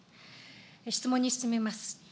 質問に進みます。